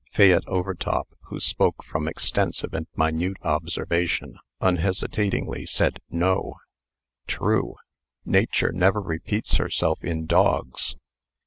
Fayette Overtop, who spoke from extensive and minute observation, unhesitatingly said "No." "True! Nature never repeats herself in dogs.